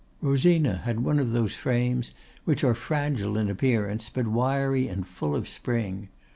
Rosina had one of those frames which are fragile in appearance, but wiry and full of spring.